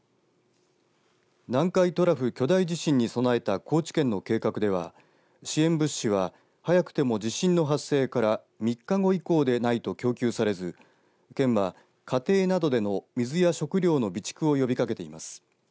南海トラフ巨大地震に備えた高知県の計画では支援物資は早くても地震の発生から３日後以降でないと供給されず県は、家庭などでの水や食料の備蓄を呼びかけています。